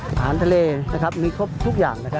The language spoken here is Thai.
อาหารทะเลนะครับมีทุกอย่างนะครับ